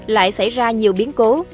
lại xảy ra nhiều biến cố